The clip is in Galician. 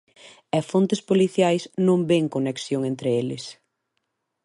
E fontes policiais non ven conexión entre eles.